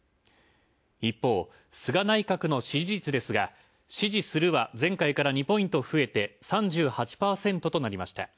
一方、菅内閣の支持率ですが「支持する」は前回から２ポイント増えて３８％となりました。